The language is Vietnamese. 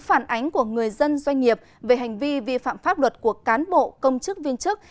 phản ánh của người dân doanh nghiệp về hành vi vi phạm pháp luật của cán bộ công chức viên chức